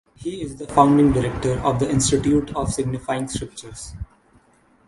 He is the founding director of the Institute for Signifying Scriptures.